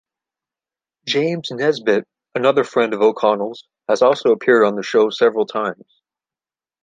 James Nesbitt, another friend of O'Connell's, has also appeared on the show several times.